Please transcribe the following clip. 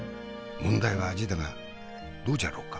問題は味だがどうじゃろか？